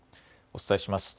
お伝えします。